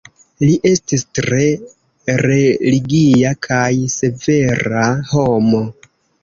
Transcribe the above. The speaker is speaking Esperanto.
Li estis tre religia kaj severa homo.